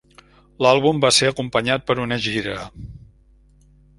L'àlbum va ser acompanyat per una gira.